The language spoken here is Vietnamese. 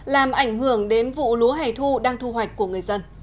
làm ảnh hưởng đến vụ lúa hẻ thu đang thu hoạch của người dân